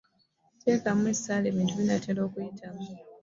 Teekamu essaala ebintu binaatera okuyitamu.